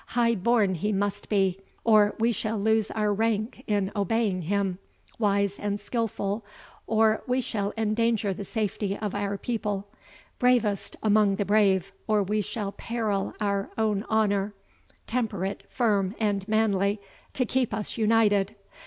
High born he must be, or we shall lose our rank in obeying him wise and skilful, or we shall endanger the safety of our people bravest among the brave, or we shall peril our own honour temperate, firm, and manly, to keep us united.